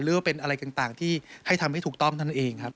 หรือว่าเป็นอะไรต่างที่ให้ทำให้ถูกต้องนั่นเองครับ